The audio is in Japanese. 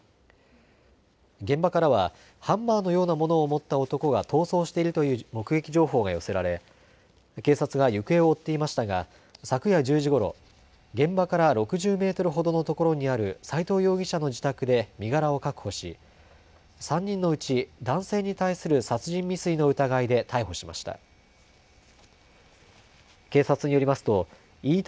現場からはハンマーのようなものを持った男が逃走しているという目撃情報が寄せられ、警察が行方を追っていましたが昨夜１０時ごろ、現場から６０メートルほどのところにある斎藤容疑者の自宅で身柄を確保し３人のうち男性に対する殺人未遂の疑いで逮捕しました。